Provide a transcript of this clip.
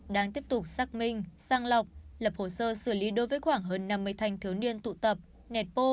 đang tiếp tục xác minh sang lọc lập hồ sơ xử lý đối với khoảng hơn năm mươi thanh thiếu niên tụ tập nẹt bô